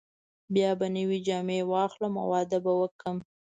بیا به نوې جامې واخلم او واده به وکړم.